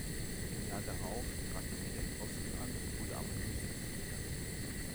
Im Jahr darauf trat er wieder in Boston an, wurde aber nur Siebzehnter.